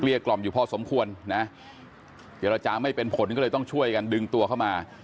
เกลี่ยกล่อมอยู่พอสมควรนะฮะเดี๋ยวเราจะไม่เป็นผลก็เลยต้องช่วยกันดึงตัวเข้ามา